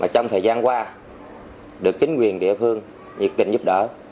trong thời gian qua được chính quyền địa phương nhiệt tình giúp đỡ